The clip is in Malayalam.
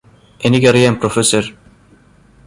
എനിക്കറിയാം പ്രൊഫസര്